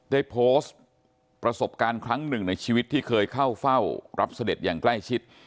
ได้โพสต์ประสบการณ์ครั้งหนึ่งในชีวิตที่เคยเข้าเฝ้ารับเสด็จอย่างใกล้ชิด